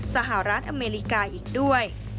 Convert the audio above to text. สหรัฐอเมริกาอีกด้วย